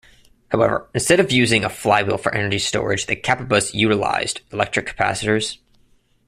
However, instead of using a flywheel for energy storage the Capabus utilized electric capacitors.